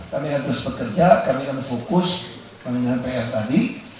kami akan terus bekerja kami akan fokus dengan pr tadi